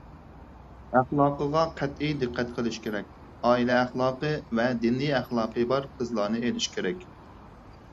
ئەخلاقىغا قەتئىي دىققەت قىلىش كېرەك، ئائىلە ئەخلاقى ۋە دىنىي ئەخلاقى بار قىزلارنى ئېلىش كېرەك.